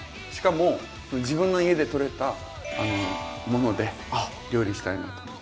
しかも自分の家でとれたもので料理したいなと。